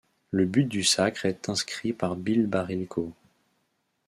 Le but du sacre est inscrit par Bill Barilko.